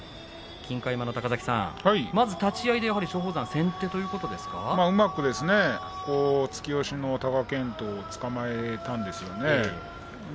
金開山の高崎さん、立ち合いでうまく突き押しの貴健斗をつかまえたんですよね。